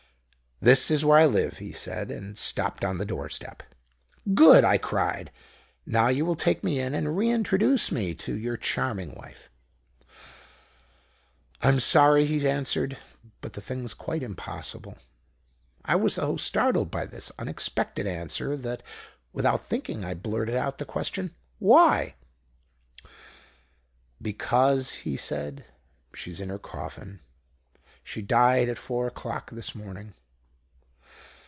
"'This is where I live,' he said, and stopped on the doorstep. "'Good!' I cried; 'and now you will take me in and reintroduce me to your charming wife.' "'I'm sorry,' he answered, 'but the thing's quite impossible.' "I was so startled by this unexpected answer that, without thinking, I blurted out the question, 'Why?' "'Because,' he said, '_she's in her coffin. She died at four o'clock this morning.